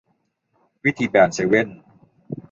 วิธีแบนเซเว่น